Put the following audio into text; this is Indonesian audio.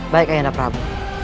baik ayah nda prabu